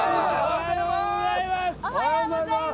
おはようございます！